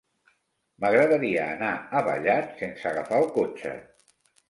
M'agradaria anar a Vallat sense agafar el cotxe.